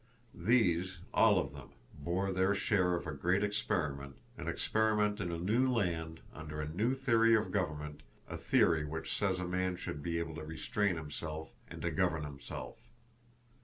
These, all of them, bore their share of a great experiment, an experiment in a new land, under a new theory of government, a theory which says a man should be able to restrain himself, and to govern himself.